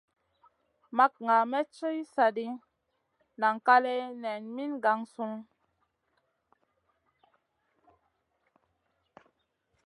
Makŋa may ci sa ɗi nan kaleya nen min gangsunu.